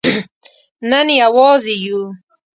نن یوازې یو